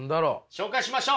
紹介しましょう。